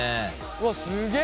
うわすげえ。